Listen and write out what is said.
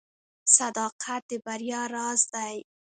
• صداقت د بریا راز دی.